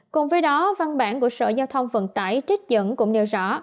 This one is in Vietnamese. cùng với đó văn bản của sở giao thông vận tải trích dẫn cũng nêu rõ